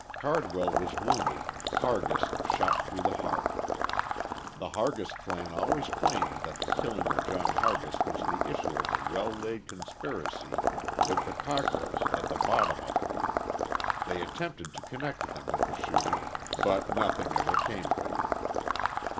Cardwell was wounded, Hargis shot through the heart. The Hargis clan always claimed that the killing of John Hargis was the issue of a well laid conspiracy with the Cockrells at the bottom of it. They attempted to connect them with the shooting, but nothing ever came of it.